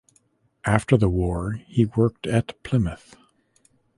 After the war he worked at Plymouth.